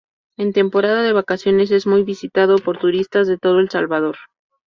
En temporada de vacaciones es muy visitado por turistas de todo El Salvador.